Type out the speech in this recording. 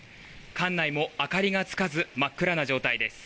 館内にも明かりがつかず真っ暗な状態です。